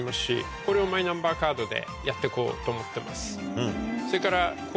これをマイナンバーカードでやってこうと思ってます。